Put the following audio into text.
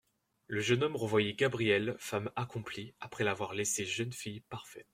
Le jeune homme revoyait Gabrielle femme accomplie après l'avoir laissée jeune fille parfaite.